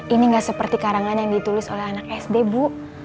ini nggak seperti karangan yang ditulis oleh anak sd bu